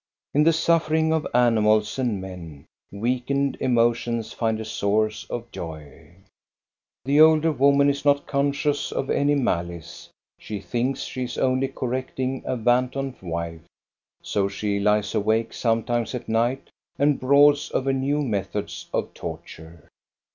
In the suffering of animals and men, weakened emotions find a source of joy. The older woman is not conscious of any malice. She thinks she is only correcting a wanton wife. So she lies awake sometimes at night and broods over new methods of torture.